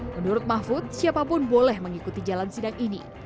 menurut mahfud siapapun boleh mengikuti jalan sidang ini